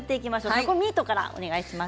タコミートからお願いします。